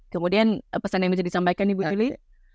kemudian pesan yang bisa disampaikan ibu fili